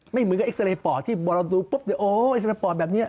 ไม่เหมือนกับอิสระปอดที่เราดูปุ๊บอิสระปอดแบบนี้